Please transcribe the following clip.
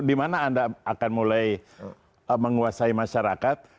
dimana anda akan mulai menguasai masyarakat